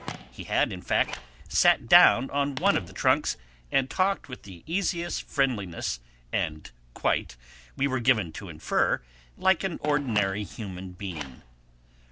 He had, in fact, sat down on one of the trunks, and talked with the easiest friendliness, and quite, we were given to infer, like an ordinary human being.